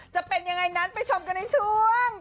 จะเป็นยังไงนั้นไปชมกันในช่วง